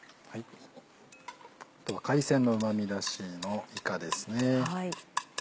海鮮のうま味出しのいかですね。